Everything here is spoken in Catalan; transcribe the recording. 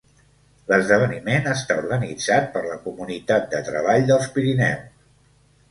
L'esdeveniment està organitzat per la Comunitat de Treball dels Pirineus.